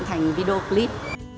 thành video clip